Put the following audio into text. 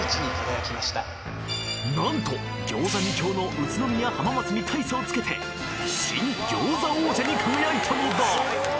なんと餃子２強の宇都宮・浜松に大差をつけて新・餃子王者に輝いたのだ！